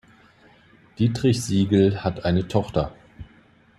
Dietrich Siegl hat eine Tochter.